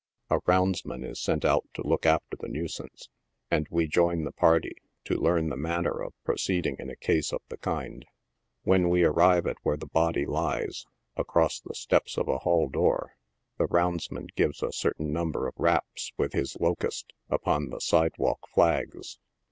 A roundsman is sent out to look after the nuisance, and we join the party to learn the manner of pro ceeding in a case of the kind. When we arrive at where the body lies, across the steps of a hall door, the roundsman gives a certain number of raps with his " locust" upon the sidewalk flags.